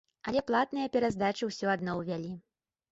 Але платныя пераздачы ўсё адно ўвялі.